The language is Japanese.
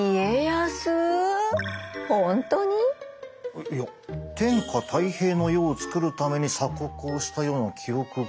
えっいや天下泰平の世をつくるために鎖国をしたような記憶が。